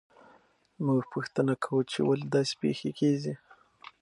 موږ پوښتنه کوو چې ولې داسې پېښې کیږي.